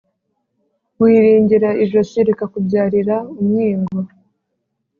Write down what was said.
Wiringira ijosi rikakubyarira umwingo.